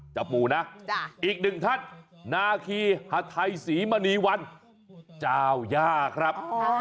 ปูนะอีกหนึ่งท่านนาคีฮัทไทยศรีมณีวันเจ้าย่าครับ